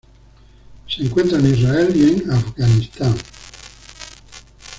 Se encuentra en Israel y en Afganistán.